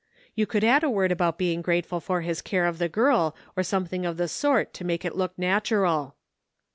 You could add a word about being grateful for his care of the girl or something of the sort to make it look natural."